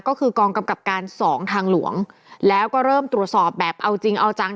ก็คือกองกำกับการสองทางหลวงแล้วก็เริ่มตรวจสอบแบบเอาจริงเอาจัง